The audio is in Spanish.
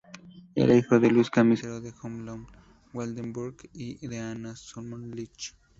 Era hijo de Luis Casimiro de Hohenlohe-Waldenburg y de Ana de Solms-Lich.